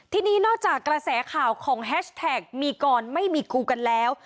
ทีนี้นอกจากกระแสข่าวของแฮชแท็กมีกรไม่มีกูกันแล้ว